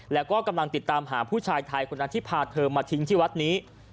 แล้วก็กำลังติดตามหาผู้ชายไทยคนนั้นที่พาเธอมาทิ้งที่วัดนี้